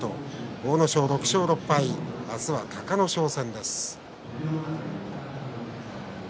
阿武咲は６勝６敗明日は隆の勝戦です。